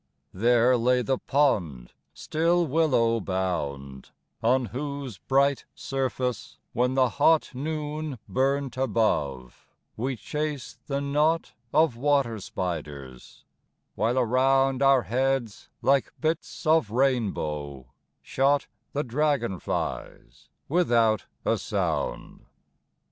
There lay the pond, still willow bound, On whose bright surface, when the hot Noon burnt above, we chased the knot Of water spiders; while around Our heads, like bits of rainbow, shot The dragonflies without a sound.